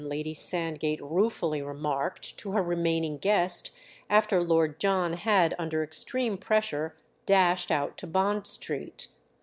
Lady Sand gate ruefully remarked to her remaining guest after Lord John had, under extreme pressure, dashed out to Bond Street.